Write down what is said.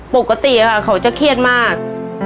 ปกติค่ะเขาจะเครียดมาก